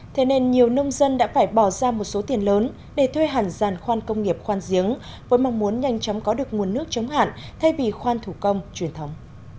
thế nên nhiều nông dân đã phải bỏ ra một số tiền lớn để thuê hẳn giàn khoan công nghiệp khoan giếng với mong muốn nhanh chóng có được nguồn nước chống hạn thay vì khoan thủ công truyền thống